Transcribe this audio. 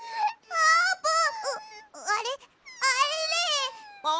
あーぷん。